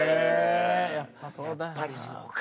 やっぱりそうか。